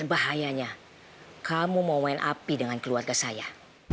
dan bahayanya kamu mau main api dengan keluarga saya